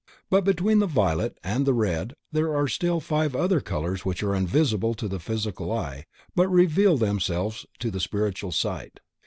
But between the violet and the red there are still other five colors which are invisible to the physical eye but reveal themselves to the spiritual sight.